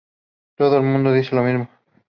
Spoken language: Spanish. Todo el mundo dice lo mismo.